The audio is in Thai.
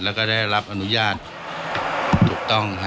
แล้วก็ได้รับอนุญาตถูกต้อง